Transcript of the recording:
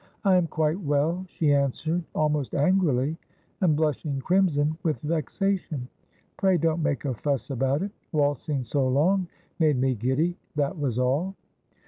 ' I am quite well,' she answered almost angrily, and blushing crimson with vexation. 'Pray don't make a fuss about it. Waltzing so long made me giddy. That was all.'